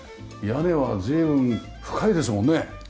屋根は随分深いですもんね。